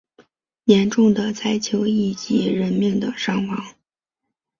严重的灾情以及人命的伤亡